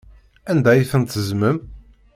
Anda ay tent-teẓẓmem?